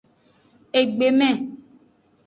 Egbeme.